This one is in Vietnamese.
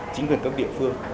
chính quyền cấp địa phương